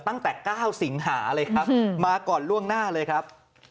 ตั้งแต่๙สิงหาเลยครับมาก่อนล่วงหน้าเลยครับ